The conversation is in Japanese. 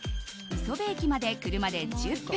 磯部駅まで車で１０分。